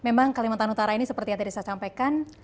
memang kalimantan utara ini seperti yang tadi saya sampaikan